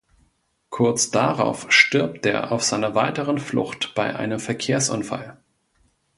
Kurz darauf stirbt er auf seiner weiteren Flucht bei einem Verkehrsunfall.